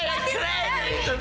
eh jangan ayolah